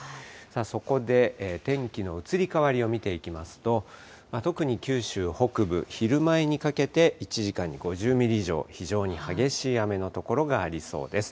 そこで天気の移り変わりを見ていきますと、特に九州北部、昼前にかけて１時間に５０ミリ以上、非常に激しい雨の所がありそうです。